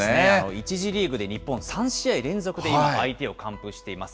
１次リーグで日本、３試合連続で相手を完封しています。